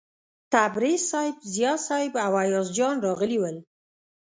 تبریز صیب، ضیا صیب او ایاز جان راغلي ول.